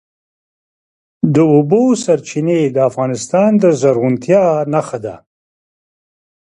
د اوبو سرچینې د افغانستان د زرغونتیا نښه ده.